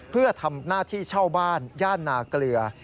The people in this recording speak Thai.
เพื่อทำหน้าที่เช่าบ้านย่านนาเกลือ